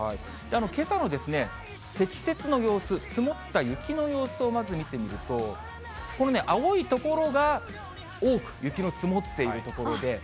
けさの積雪の様子、積もった雪の様子をまず見てみると、このね、青い所が多く雪の積もっている所で。